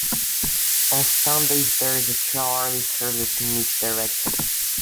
On Sundays, there is a two hourly service in each direction.